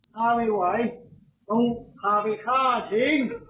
ถ้าไม่ไหวต้องพาไปฆ่าทิ้ง